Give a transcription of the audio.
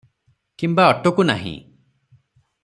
କିମ୍ବା ଅଟକୁ ନାହିଁ ।